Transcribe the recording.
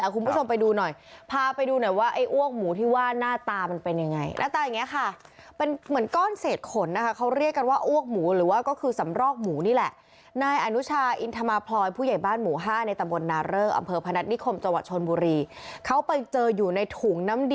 คุณพอดิ้งเขาว่าอ้วกหมูก็รู้สึกว่า